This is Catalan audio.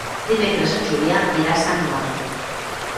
Dimecres en Julià irà a Sant Mori.